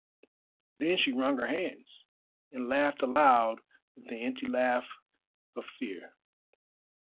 Then she wrung her hands, and laughed aloud with the empty laugh of fear.